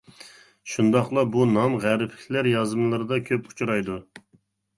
شۇنداقلا بۇ نام غەربلىكلەر يازمىلىرىدا كۆپ ئۇچرايدۇ.